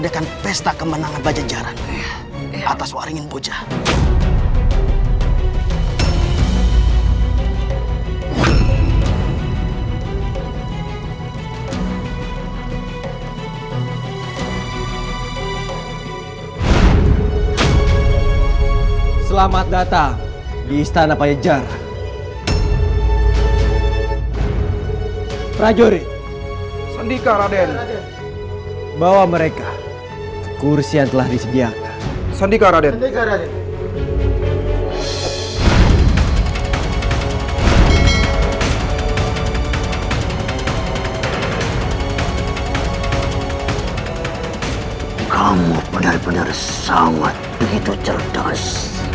kamu benar benar sangat begitu cerdas